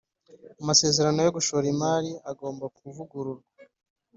amasezerano yo gushora imari agomba kuvururwa